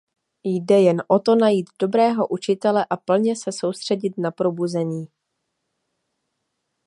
Jde jen o to najít dobrého učitele a plně se soustředit na probuzení.